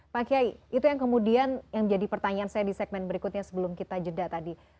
pak kiai itu yang kemudian yang jadi pertanyaan saya di segmen berikutnya sebelum kita jeda tadi